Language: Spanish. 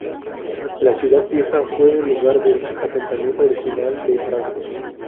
La ciudad vieja fue el lugar del asentamiento original de Praga.